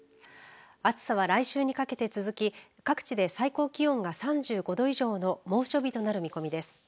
暑さは来週にかけて続き各地で最高気温が３５度以上の猛暑日となる見込みです。